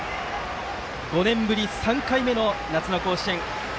５年ぶり３回目の夏の甲子園。